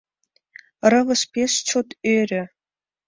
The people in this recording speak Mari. Рывыж пеш чот ӧрӧ: